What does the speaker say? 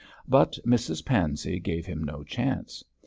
But Mrs Pansey gave him no chance.